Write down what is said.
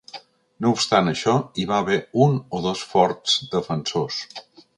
No obstant això, hi va haver un o dos forts defensors.